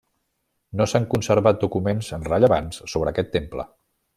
No s'han conservat documents rellevants sobre aquest temple.